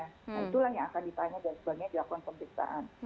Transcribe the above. nah itulah yang akan ditanya dan sebagainya dilakukan pemeriksaan